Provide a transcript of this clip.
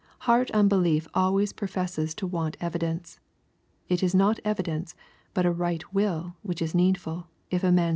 Heart unbelief always profes^^es to want evidence. It is not evidence, but a righ^ wiitt whiph. i?L aeedjM,, tf a i^au'^.